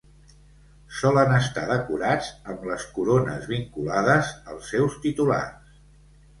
Solen estar decorats amb les corones vinculades als seus titulars.